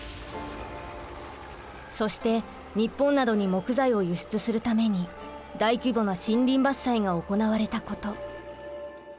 そして日本などに木材を輸出するために大規模な森林伐採が行われたこと。